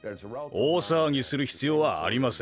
大騒ぎする必要はありません。